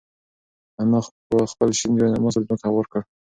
انا خپل شین جاینماز پر ځمکه هوار کړ.